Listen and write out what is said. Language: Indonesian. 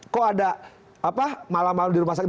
kok ada malam malam di rumah sakit